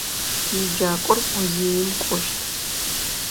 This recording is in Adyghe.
Еджакӏор музеим кӏощт.